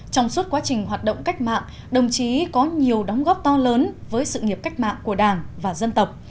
trong suốt quá trình hoạt động cách mạng đồng chí có nhiều đóng góp to lớn với sự nghiệp cách mạng của đảng và dân tộc